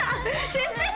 知ってる！